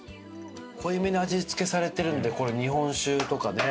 濃いめに味付けされてるんでこれ日本酒とかね。